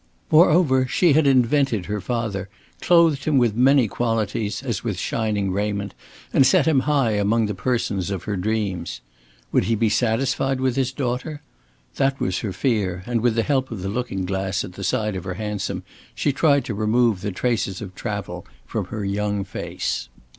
Moreover, she had invented her father, clothed him with many qualities as with shining raiment, and set him high among the persons of her dreams. Would he be satisfied with his daughter? That was her fear, and with the help of the looking glass at the side of her hansom, she tried to remove the traces of travel from her young face.